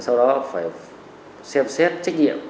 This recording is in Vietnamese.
sau đó phải xem xét trách nhiệm